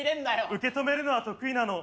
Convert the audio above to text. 受け止めるのは得意なの。